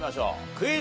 クイズ。